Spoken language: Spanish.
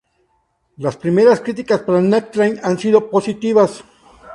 Las primeras críticas a "Night Train" han sido positivas.